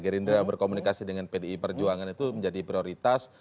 gerindra berkomunikasi dengan pdi perjuangan itu menjadi prioritas